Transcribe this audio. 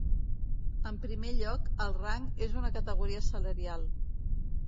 En primer lloc, el rang és una categoria salarial.